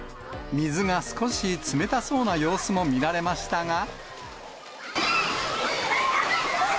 水が少し冷たそうな様子も見られましたが。